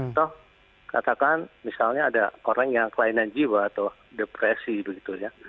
atau katakan misalnya ada orang yang kelainan jiwa atau depresi begitu ya